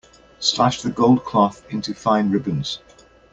Slash the gold cloth into fine ribbons.